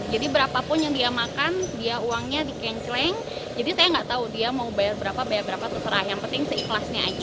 jadi berapapun yang dia makan dia uangnya dikenceleng jadi saya nggak tahu dia mau bayar berapa berapa terserah yang penting seikhlasnya aja